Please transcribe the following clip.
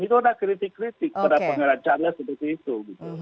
itu ada kritik kritik pada pangeran charles seperti itu